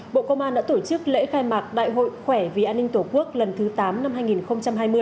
bộ công an đã tổ chức lễ khai mạc đại hội khỏe vì an ninh tổ quốc lần thứ tám năm hai nghìn hai mươi